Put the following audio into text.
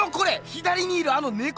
左にいるあの猫！